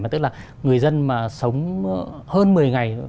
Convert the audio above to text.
tức là người dân mà sống hơn một mươi ngày